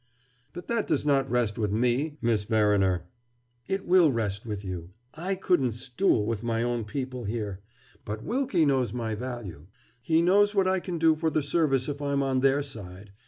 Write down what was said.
"But that does not rest with me, Miss Verriner!" "It will rest with you. I couldn't stool with my own people here. But Wilkie knows my value. He knows what I can do for the service if I'm on their side.